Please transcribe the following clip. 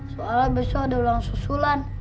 soalnya besok ada ulang susulan